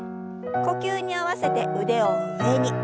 呼吸に合わせて腕を上に。